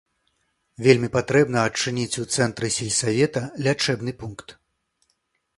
Вельмі патрэбна адчыніць у цэнтры сельсавета лячэбны пункт.